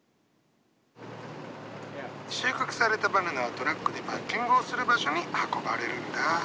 収穫されたバナナはトラックでパッキングをする場所に運ばれるんだ。